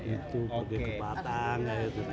itu pergi ke patang ya gitu